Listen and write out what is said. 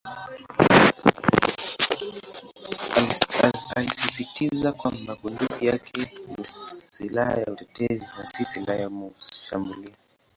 Alisisitiza kwamba bunduki yake ni "silaha ya utetezi" na "si silaha ya mashambulio".